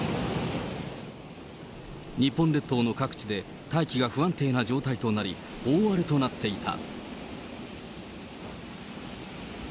日本列島の各地で大気が不安定な状態となり、大荒れとなっていた。